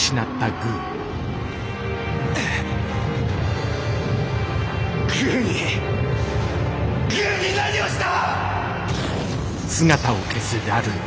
グーに何をした！